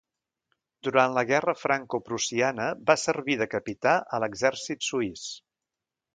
Durant la guerra francoprussiana va servir de capità a l'exèrcit suís.